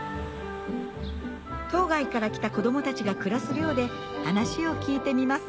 島外から来た子供たちが暮らす寮で話を聞いてみます